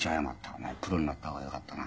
「お前プロになった方がよかったな」